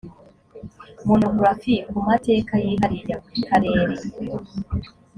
monographies ku mateka yihariye ya buri karere